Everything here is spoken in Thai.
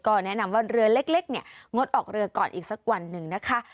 ก็แนะนำว่าเรือเล็กเนี่ยงดออกเรือก่อนอีกสักวันหนึ่งนะคะ